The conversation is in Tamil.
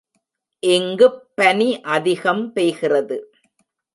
இங்குப் பனி அதிகம் பெய்கிறது.